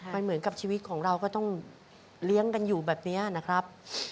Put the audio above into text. มันเหมือนกับชีวิตของเราก็ต้องเลี้ยงกันอยู่แบบนี้นะครับ